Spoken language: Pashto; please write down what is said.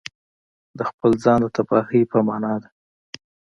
د خپل ځان د تباهي په معنا ده.